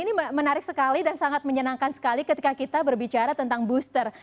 ini menarik sekali dan sangat menyenangkan sekali ketika kita berbicara tentang booster